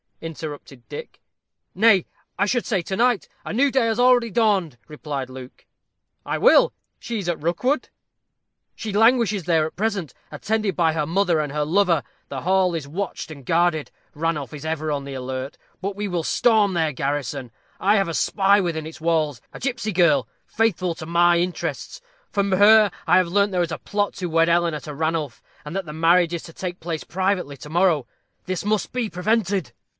interrupted Dick. "Nay, I should say to night. A new day has already dawned," replied Luke. "I will: she is at Rookwood?" "She languishes there at present, attended by her mother and her lover. The hall is watched and guarded. Ranulph is ever on the alert. But we will storm their garrison. I have a spy within its walls a gipsy girl, faithful to my interests. From her I have learnt that there is a plot to wed Eleanor to Ranulph, and that the marriage is to take place privately to morrow. This must be prevented."